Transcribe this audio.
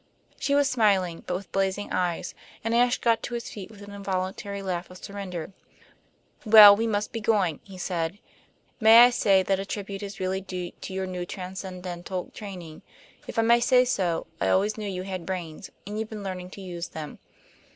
She was smiling, but with blazing eyes; and Ashe got to his feet with an involuntary laugh of surrender. "Well, we must be going," he said. "May I say that a tribute is really due to your new transcendental training? If I may say so, I always knew you had brains; and you've been learning to use them."